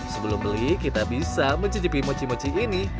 sebelum beli kita bisa mencicipi mochi mochi ini